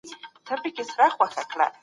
مور مي وویل چي تل ریښتیا ووایه.